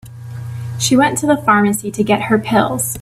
She went to the pharmacy to get her pills.